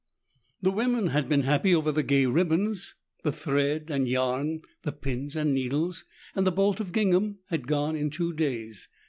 The women had been happy over the gay ribbons, the thread and yarn, the pins and needles, and the bolt of gingham had gone in two days.